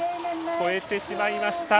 越えてしまいました。